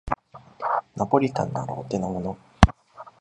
ナポリタンならお手のもの